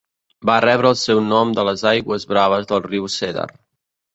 Va rebre el seu nom de les aigües braves del riu Cedar.